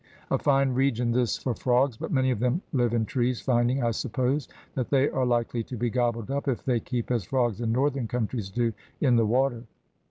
A fine region this for frogs, but many of them live in trees, finding, I suppose, that they are likely to be gobbled up, if they keep, as frogs in northern countries do, in the water.